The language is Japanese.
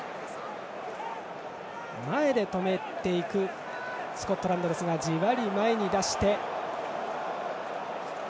前で止めていくスコットランドですがじわりと前に出して。